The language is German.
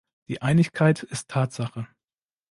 Die Einigkeit ist Tatsache.